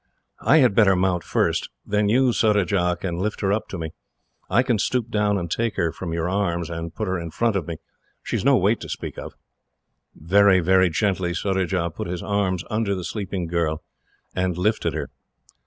"I had better mount first. Then you, Surajah, can lift her up to me. I can stoop down, and take her from your arms, and put her in front of me. She is no weight to speak of." Very gently, Surajah put his arms under the sleeping girl, and lifted her.